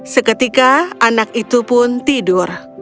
seketika anak itu pun tidur